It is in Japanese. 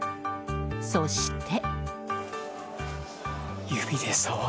そして。